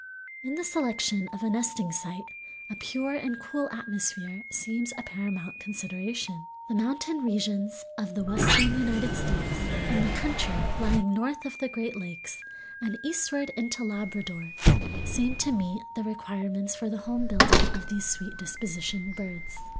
In the selection of a nesting site a pure and cool atmosphere seems a paramount consideration. The mountain regions of the western United States and the country lying north of the great lakes and eastward into Labrador seem to meet the requirements for the home building of these sweet dispositioned birds.